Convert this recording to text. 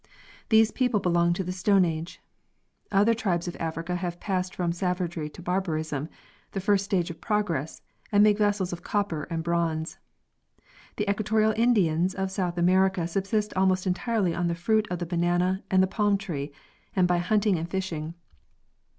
These people belong to the Stone age. Other tribes of Africa have passed from savagery to barbarism, the first stage of progress, and make vessels of copper and bronze. The equatorial Indians of South America subsist almost entirely on the fruit of the banana and the palm tree, and by hunting and fishing.